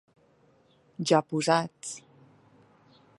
Ja posats...